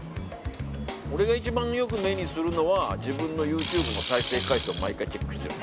俺が一番よく目にするのは自分のＹｏｕＴｕｂｅの再生回数を毎回チェックしてる。